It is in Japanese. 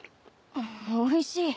おいしい。